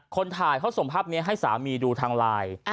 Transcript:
คนถ่ายเขาส่งภาพนี้ให้สามีดูทางไลน์